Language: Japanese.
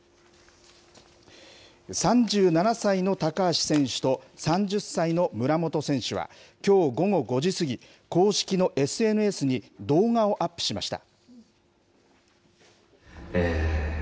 ３７歳の高橋選手と３０歳の村元選手は、きょう午後５時過ぎ、公式のＳＮＳに動画をアップしました。